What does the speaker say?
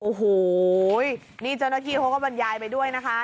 โอ้โหนี่เจ้าหน้าที่เขาก็บรรยายไปด้วยนะคะ